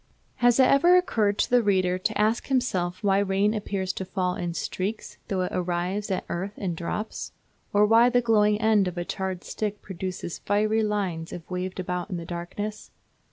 Has it ever occurred to the reader to ask himself why rain appears to fall in streaks though it arrives at earth in drops? Or why the glowing end of a charred stick produces fiery lines if waved about in the darkness?